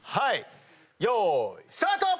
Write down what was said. よーいスタート！